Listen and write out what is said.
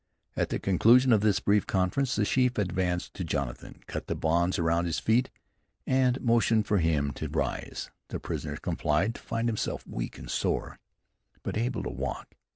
At the conclusion of this brief conference the chief advanced to Jonathan, cut the bonds round his feet, and motioned for him to rise. The prisoner complied to find himself weak and sore, but able to walk.